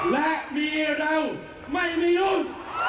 และมีเราไม่มียุ่ง